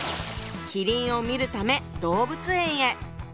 麒麟を見るため動物園へ。